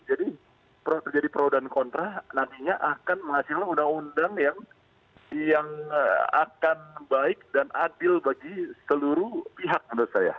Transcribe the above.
jadi terjadi pro dan kontra nantinya akan menghasilkan undang undang yang akan baik dan adil bagi seluruh pihak menurut saya